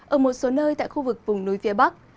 ở một số nơi tại khu vực vùng núi phía bắc